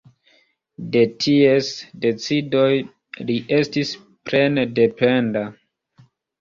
De ties decidoj li estis plene dependa.